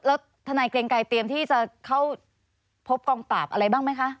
แล้วทนายเกรงไกรเตรียมที่จะเข้าพบกองปราบอะไรบ้างไหมคะ